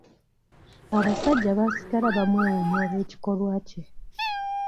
Abasajja baasigala bamwewuunya olw'ekikolwa kye.